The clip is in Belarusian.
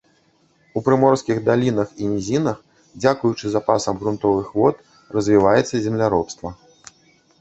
У прыморскіх далінах і нізінах дзякуючы запасам грунтавых вод развіваецца земляробства.